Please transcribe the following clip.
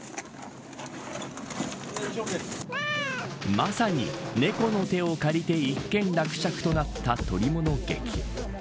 まさに、猫の手を借りて一件落着となった捕物劇。